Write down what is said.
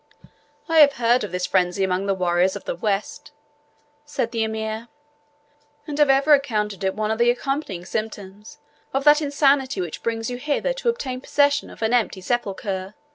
"I have heard of this frenzy among the warriors of the West," said the Emir, "and have ever accounted it one of the accompanying symptoms of that insanity which brings you hither to obtain possession of an empty sepulchre.